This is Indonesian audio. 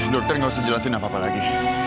dokter gak usah jelasin apa apa lagi